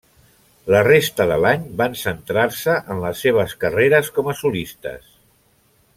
La resta de l'any van centrar-se en les seves carreres com a solistes.